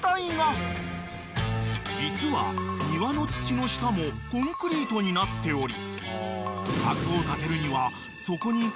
［実は庭の土の下もコンクリートになっており］